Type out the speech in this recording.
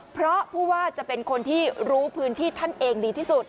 เพราะผู้ว่าจะเป็นคนที่รู้พื้นที่ท่านเองดีที่สุด